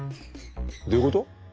どういうこと？